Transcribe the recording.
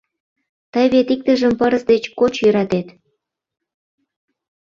Тый вет иктыжым пырыс деч коч йӧратет?